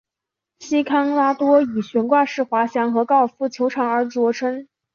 圣康拉多以悬挂式滑翔和高尔夫球场而着称。